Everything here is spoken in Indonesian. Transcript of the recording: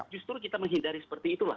justru kita menghindari seperti itulah